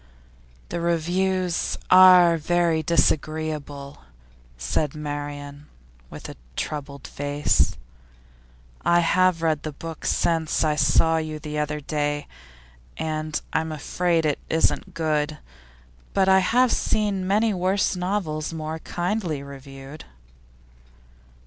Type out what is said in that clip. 'The reviews are very disagreeable,' said Marian with a troubled face. 'I have read the book since I saw you the other day, and I am afraid it isn't good, but I have seen many worse novels more kindly reviewed.